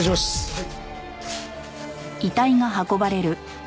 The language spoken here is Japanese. はい。